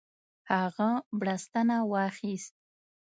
هغه بړستنه واخیست.